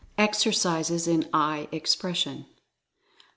EXERCISES IN EYE EXPRESSION.